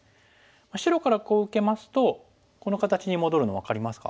白からこう受けますとこの形に戻るの分かりますか？